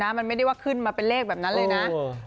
มันไม่ได้ว่าขึ้นมาเป็นเลขแบบนั้นเลยนะ